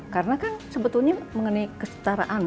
karena kan sebetulnya mengenai kesetaraan